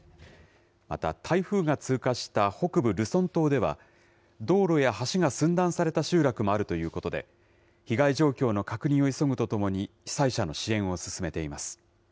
また台風が通過した北部ルソン島では、道路や橋が寸断された集落もあるということで、被害状況の確認を急ぐとともに、被災者の支援を進めています。